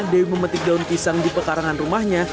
dewi memetik daun pisang di pekarangan rumahnya